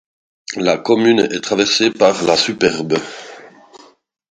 La commune est traversée par la Superbe.